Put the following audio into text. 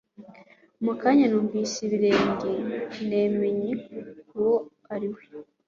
Mu kanya numvise ibirenge, namenye uwo ari we.